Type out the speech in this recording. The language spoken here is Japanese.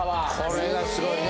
これがすごいね。